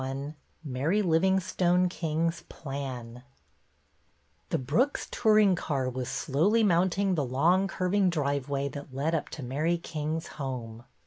XXI MARY LIVINGSTONE KING's PLAN T he Brooks touring car was slowly mount ing the long, curving driveway that led up to Mary King's home.